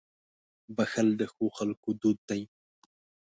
• بښل د ښو خلکو دود دی.